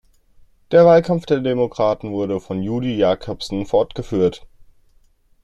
Der Wahlkampf der Demokraten wurde von Judy Jacobson fortgeführt.